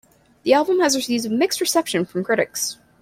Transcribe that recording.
The album has received a mixed reception from critics.